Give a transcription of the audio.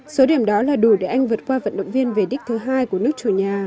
số điểm đó là đủ để anh vượt qua vận động viên về đích thứ hai của nước chủ nhà